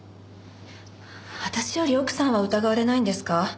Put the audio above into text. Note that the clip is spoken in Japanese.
私より奥さんは疑われないんですか？